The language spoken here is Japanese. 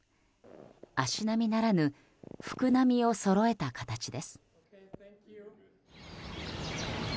足並みならぬ服並みをそろえた形です。